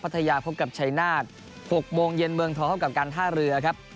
ทยาพบกับชัยนาศ๖โมงเย็นเมืองทองเท่ากับการท่าเรือครับ